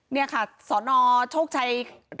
นี่ค่ะสนโชคชัย